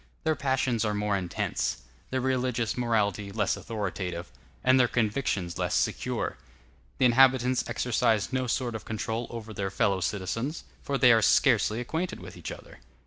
Their passions are more intense; their religious morality less authoritative; and their convictions less secure. The inhabitants exercise no sort of control over their fellow citizens, for they are scarcely acquainted with each other.